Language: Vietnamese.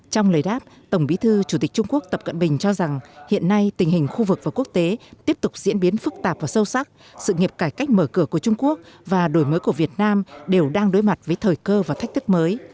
trong lời đáp tổng bí thư chủ tịch trung quốc tập cận bình cho rằng hiện nay tình hình khu vực và quốc tế tiếp tục diễn biến phức tạp và sâu sắc sự nghiệp cải cách mở cửa của trung quốc và đổi mới của việt nam đều đang đối mặt với thời cơ và thách thức mới